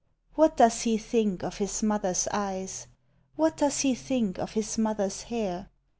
What does he think of his mother's eyes? What does he thiuk of his mother's hair?